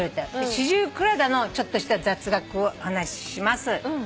シジュウカラからのちょっとした雑学をお話しします。